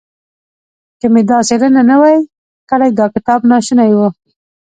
که مې دا څېړنه نه وای کړې دا کتاب ناشونی و.